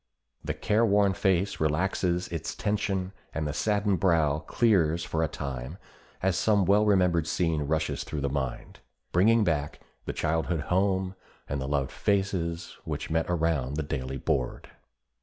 The care worn face relaxes its tension and the saddened brow clears for a time as some well remembered scene rushes through the mind, bringing back the childhood home and the loved faces which met around the daily board.